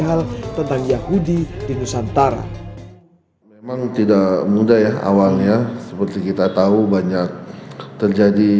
hal tentang yahudi di nusantara memang tidak mudah ya awalnya seperti kita tahu banyak terjadi